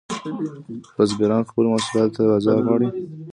بزګران خپلو محصولاتو ته بازار غواړي